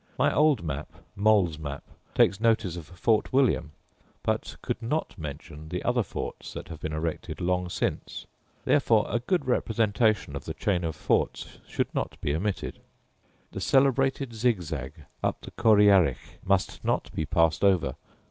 My old map, Moll's Map, takes notice of Fort William; but could not mention the other forts that have been erected long since: therefore a good representation of the chain of forts should not be omitted. The celebrated zigzag up the Coryarich must not be passed over.